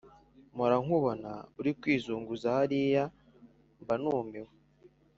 mpora nkubona uri kwizunguza hariya mba numiwe